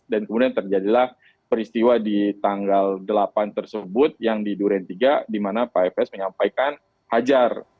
dan kemudian terjadilah peristiwa di tanggal delapan tersebut yang di duren tiga di mana pak fs menyampaikan hajar